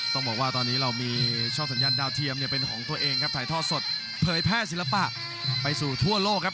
ต้องบอกว่าตอนนี้เรามีช่องสัญญาณดาวเทียมเนี่ยเป็นของตัวเองครับถ่ายทอดสดเผยแพร่ศิลปะไปสู่ทั่วโลกครับ